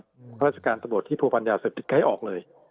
เมื่อราชการตำรวจที่ผู้พัญญาเสื้อติดไก้ออกเลย